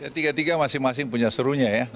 tiga tiga masing masing punya serunya ya